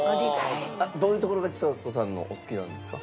どういうところがちさ子さんのお好きなんですか？